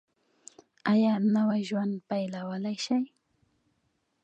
ایا نوی ژوند پیلولی شئ؟